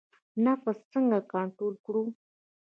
نفس څنګه کنټرول کړو؟